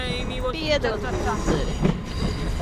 Piedod, lūzeri.